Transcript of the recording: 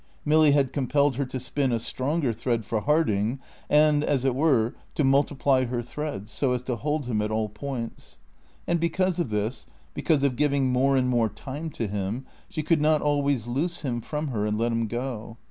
Milly had compelled her to spin a stronger thread for Harding and, as it were, to multiply her threads, so as to hold him at all points. And because of this, because of giving more and more time to him, she could not always loose him from her and let him go.